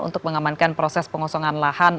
untuk mengamankan proses pengosongan lahan